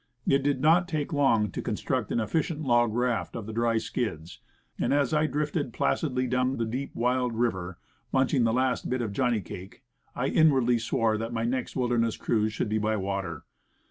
It did not take long to construct an efficient dog raft from the dry skids, and as I drifted placidly down the deep, wild river, munching the last bit of johnny cake, I inwardly swore that my next wilderness cruise should be by water.